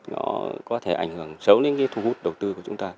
nó có thể ảnh hưởng xấu đến thú hút đầu tư của chúng ta